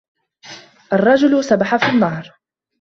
الرَّجُلُ سَبَحَ فِي النَّهْرِ.